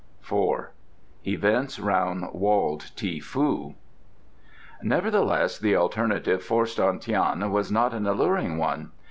iv. EVENTS ROUND WALLED TI FOO Nevertheless, the alternative forced on Tian was not an alluring one.